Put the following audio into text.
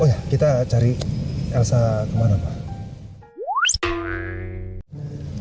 oh ya kita cari elsa kemana pak